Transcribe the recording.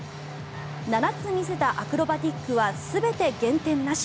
７つ見せたアクロバティックは全て減点なし。